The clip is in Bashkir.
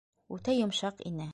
Үтә йомшаҡ ине.